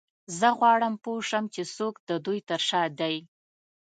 زه غواړم پوه شم چې څوک د دوی تر شا دی